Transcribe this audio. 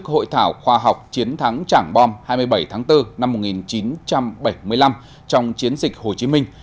hội thảo khoa học chiến thắng chẳng bom hai mươi bảy tháng bốn năm một nghìn chín trăm bảy mươi năm trong chiến dịch hồ chí minh